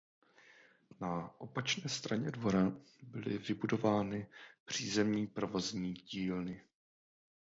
Na opačné straně dvora byly vybudovány přízemní provozní dílny.